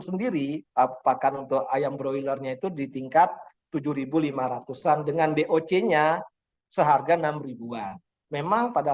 sendiri apakan untuk ayam broilernya itu ditingkat tujuh ribu lima ratus an dengan doc nya seharga enam ribu an memang pada